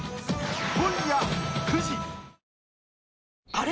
あれ？